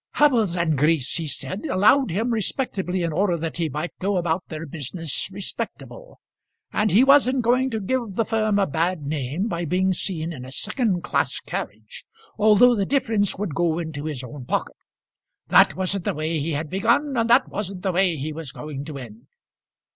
"Hubbles and Grease," he said, "allowed him respectably, in order that he might go about their business respectable; and he wasn't going to give the firm a bad name by being seen in a second class carriage, although the difference would go into his own pocket. That wasn't the way he had begun, and that wasn't the way he was going to end."